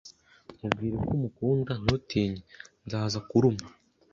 Mubwire ko umukunda. Ntutinye. Ntazakuruma